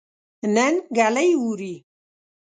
نن ګلۍ اوري